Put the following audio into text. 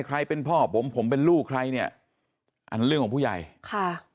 เป็นพ่อผมผมเป็นลูกใครเนี่ยอันเรื่องของผู้ใหญ่ค่ะ